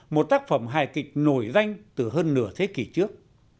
một tác phẩm hài kịch nổi danh từ hơn nửa thế kỷ trước